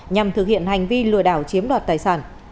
nhằm thực hiện hành vi lừa đảo chiếm đoạt tài sản